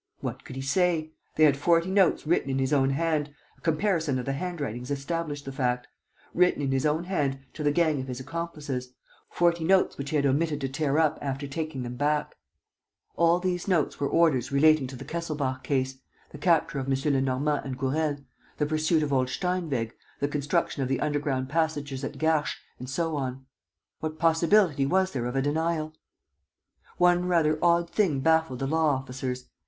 What could he say? They had forty notes written in his own hand a comparison of the handwritings established the fact written in his own hand to the gang of his accomplices, forty notes which he had omitted to tear up after taking them back. And all these notes were orders relating to the Kesselbach case, the capture of M. Lenormand and Gourel, the pursuit of old Steinweg, the construction of the underground passages at Garches and so on. What possibility was there of a denial? One rather odd thing baffled the law officers.